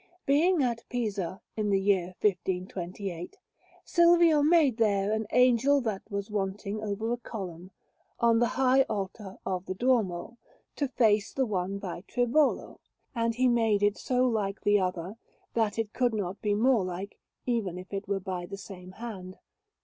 Being at Pisa in the year 1528, Silvio made there an Angel that was wanting over a column on the high altar of the Duomo, to face the one by Tribolo; and he made it so like the other that it could not be more like even if it were by the same hand.